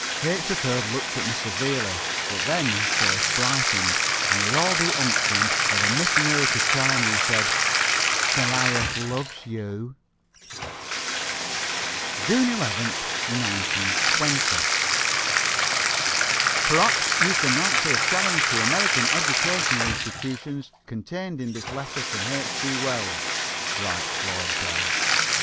H. 3rd looked at me severely, but then his face brightened, and with all the unction of a missionary to China he said, "Goliath loves you." JUNE 11, 1920. "Perhaps you can answer the challenge to American educational institutions contained in this letter from H. G. Wells," writes Floyd Dell.